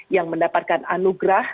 yang mendapatkan anugerah